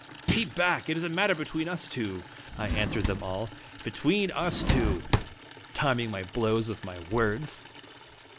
"Keep back! It is a matter between us two!" I answered them all. "Between us two!" timing my blows to my words.